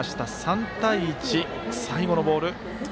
３対１、最後のボール。